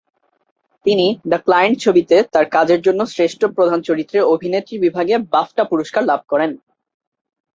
তিনি "the client" ছবিতে তার কাজের জন্য শ্রেষ্ঠ প্রধান চরিত্রে অভিনেত্রী বিভাগে বাফটা পুরস্কার লাভ করেন।